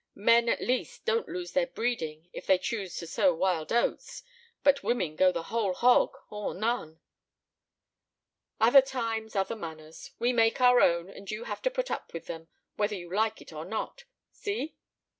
Men, at least, don't lose their breeding if they choose to sow wild oats. But women go the whole hog or none." "Other times, other manners. We make our own, and you have to put up with them whether you like it or not. See?"